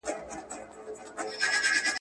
هغه ډاکټر چې زما درملنه یې وکړه، ډېر لایق و.